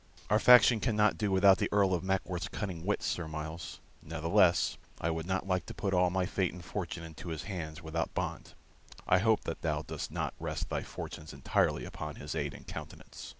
Our faction cannot do without the Earl of Mackworth's cunning wits, Sir Myles; ne'theless I would not like to put all my fate and fortune into his hands without bond. I hope that thou dost not rest thy fortunes entirely upon his aid and countenance."